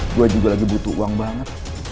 gue juga lagi butuh uang banget